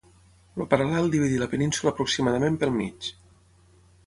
El paral·lel dividí la península aproximadament pel mig.